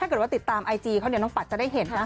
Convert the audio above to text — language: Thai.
ถ้าเกิดว่าติดตามไอจีเขานิวน้องปัจป์จะได้เห็นค่ะ